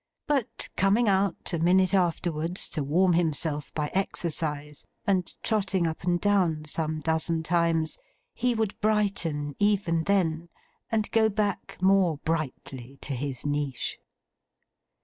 But coming out, a minute afterwards, to warm himself by exercise, and trotting up and down some dozen times, he would brighten even then, and go back more brightly to his niche.